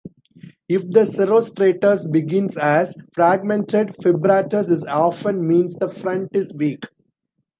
If the cirrostratus begins as fragmented fibratus it often means the front is weak.